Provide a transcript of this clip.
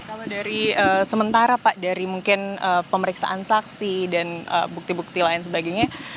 kalau dari sementara pak dari mungkin pemeriksaan saksi dan bukti bukti lain sebagainya